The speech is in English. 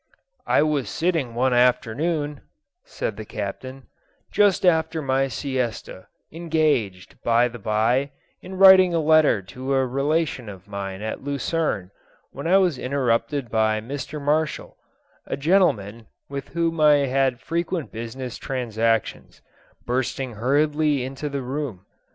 "I was sitting one afternoon," said the Captain, "just after my siesta, engaged, by the by, in writing a letter to a relation of mine at Lucerne, when I was interrupted by Mr. Marshall a gentleman with whom I had frequent business transactions bursting hurriedly into the room.